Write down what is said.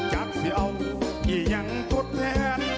จากเซียวที่ยังทดแหน